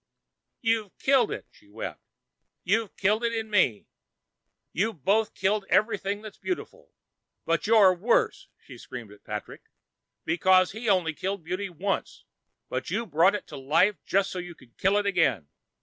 "You've killed it," she wept. "You've killed it in me. You've both killed everything that's beautiful. But you're worse," she screamed at Patrick, "because he only killed beauty once, but you brought it to life just so you could kill it again.